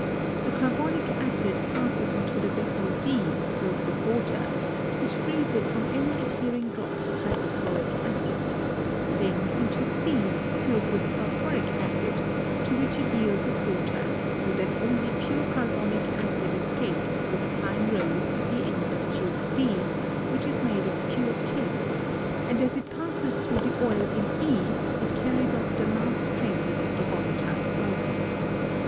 The carbonic acid passes into the vessel B filled with water which frees it from any adhering drops of hydrochloric acid; then into C filled with sulphuric acid to which it yields its water so that only pure carbonic acid escapes through the fine rose at the end of tube D which is made of pure tin, and as it passes through the oil in E it carries off the last traces of the volatile solvent.